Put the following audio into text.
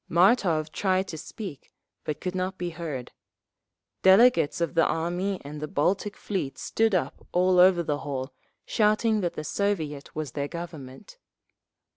Martov tried to speak, but could not be heard. Delegates of the Army and the Baltic Fleet stood up all over the hall, shouting that the Soviet was their Government….